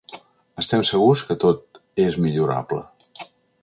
Estem segurs que tot és millorable.